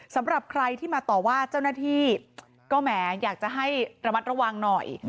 สำหรับใครที่มาต่อว่าเจ้าหน้าที่ก็แหมอยากจะให้ระมัดระวังหน่อย